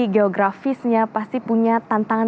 geografisnya pasti punya tantangan